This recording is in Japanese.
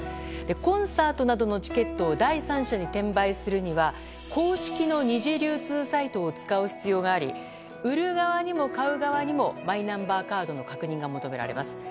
コンサートなどのチケットを第三者に転売するには公式の２次流通サイトで売る必要があり売る側にも買う側にもマイナンバーカードの確認が求められます。